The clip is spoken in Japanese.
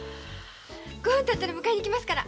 ５分たったら迎えに来ますから。